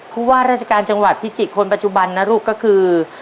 ผู้ว่าราชการจังหวัดพิจิตรคนปัจจุบันนะลูกก็คือ